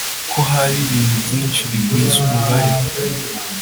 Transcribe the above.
Ko haba ibintu byinshi bigwiza umubare